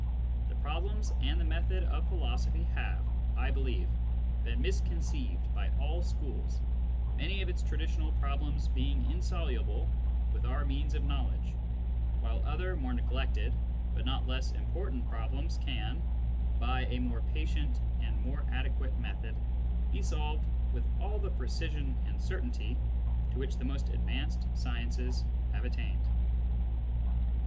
The problems and the method of philo sophy have, I believe, been misconceived by all schools, many of its traditional problems being insoluble with our means of knowledge, while other more neglected but not less important problems can, by a more patient and more adequate method, be solved with all the precision and certainty to which the most advanced sciences have attained.